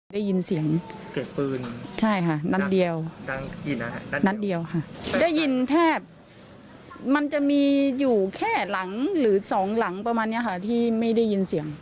ได้ยินเสียงเกิดปืนใช่ค่ะนัดเดียวนัดเดียวค่ะได้ยินแทบมันจะมีอยู่แค่หลังหรือสองหลังประมาณนี้ค่ะที่ไม่ได้ยินเสียง